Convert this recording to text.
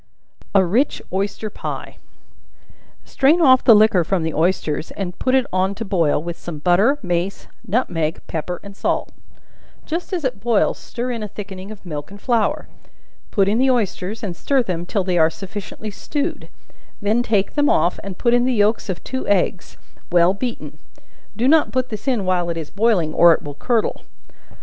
A Rich Oyster Pie. Strain off the liquor from the oysters, and put it on to boil, with some butter, mace, nutmeg, pepper and salt; just as it boils, stir in a thickening of milk and flour; put in the oysters, and stir them till they are sufficiently stewed; then take them off, and put in the yelks of two eggs, well beaten; do not put this in while it is boiling, or it will curdle.